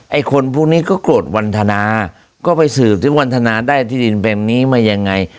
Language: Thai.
ไอ้คนพวกนี้ก็โกรธวันธนาก็ไปสืบถึงวันธนาได้ที่ดินแบบนี้มายังไง